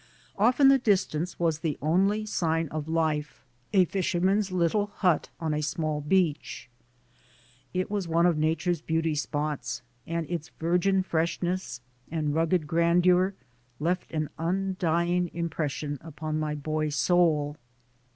Off in the distance was the only sign of life: a fisherman's little hut on a small beach. It was one of Nature's beauty spots, and its virgin freshness and rugged grandeur left an undying impression upon my boy soul.